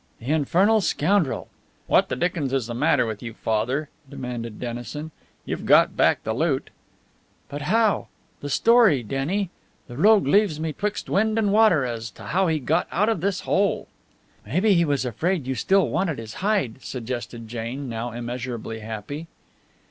"The infernal scoundrel!" "What the dickens is the matter with you, Father!" demanded Dennison. "You've got back the loot." "But how? The story, Denny! The rogue leaves me 'twixt wind and water as to how he got out of this hole." "Maybe he was afraid you still wanted his hide," suggested Jane, now immeasurably happy.